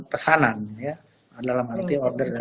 pesanan dalam arti order